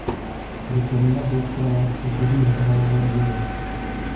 Průčelí na obou stranách zdobí hranolové věže.